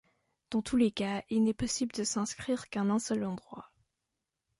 Dans tous les cas, il n'est possible de s'inscrire qu'à un seul endroit.